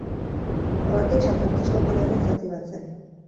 Aurretik San Frantzisko kalearen zati bat zen.